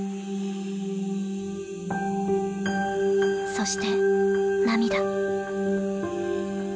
そして涙。